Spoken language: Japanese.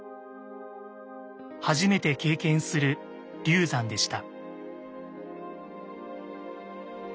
初めて経験する流産でした。